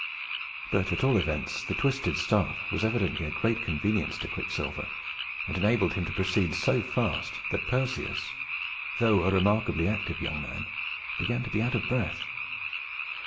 But, at all events, the twisted staff was evidently a great convenience to Quicksilver, and enabled him to proceed so fast, that Perseus, though a remarkably active young man, began to be out of breath.